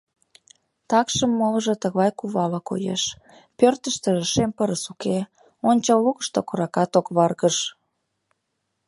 Такшым молыжо тыглай кувала коеш: пӧртыштыжӧ шем пырыс уке, ончыл лукышто коракат ок варгыж.